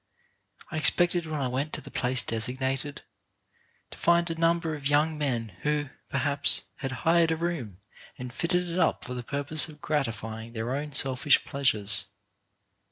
I expected, when I went to the place designated, to find a number of young men who, perhaps, had hired a room and fitted it up for the purpose of gratifying their own selfish pleasures.